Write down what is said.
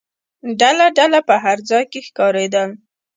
ډله ډله په هر ځای کې ښکارېدل.